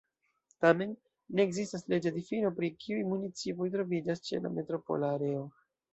Tamen, ne ekzistas leĝa difino pri kiuj municipoj troviĝas ĉe la metropola areo.